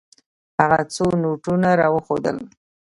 هغه څو نوټونه راوښودل.